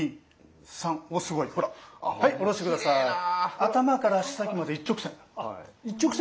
頭から足先まで一直線。